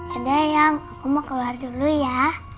ada yang aku mau keluar dulu ya